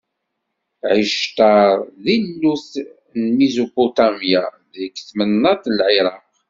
Ɛictar d tillut n Mizupuṭamya, deg tmennaṭ n Lɛiraq.